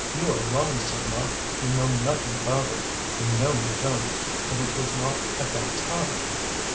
You are wrong, Simlah, you know nothing about it. You know you don't. And it was not at that time."